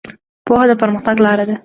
پوهه د پرمختګ لاره ده.